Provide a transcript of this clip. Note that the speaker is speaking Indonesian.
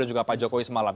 dan juga pak jokowi semalam